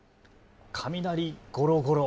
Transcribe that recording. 雷ゴロゴロ。